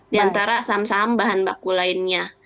di antara saham saham bahan baku lainnya